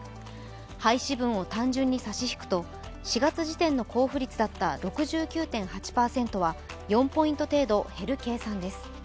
廃止分を単純に差し引くと４月時点の交付率だった６９．８％は４ポイント程度減る計算です。